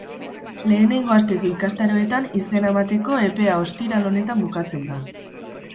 Lehengo asteko ikastaroetan izena emateko epea ostiral honetan bukatzen da.